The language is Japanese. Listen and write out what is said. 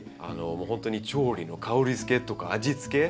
もうほんとに調理の香りづけとか味付け